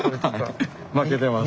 負けてます。